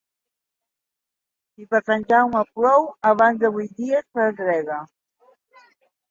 Si per Sant Jaume plou, abans de vuit dies pedrega.